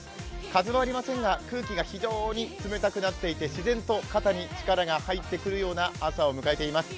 風はありませんが空気が非常に冷たくなっていて、自然と肩に力が入ってくるような朝になっています。